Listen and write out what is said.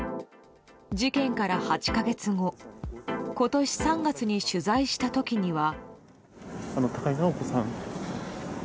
事件から８か月後今年３月に取材した時には。